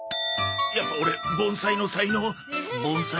やっぱオレ盆栽の才能凡才だわ。